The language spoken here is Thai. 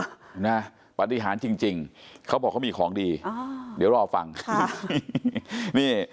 นะปฏิหารจริงจริงเขาบอกเขามีของดีอ๋อเดี๋ยวรอฟังค่ะนี่